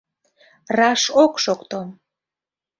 — Раш ок шокто!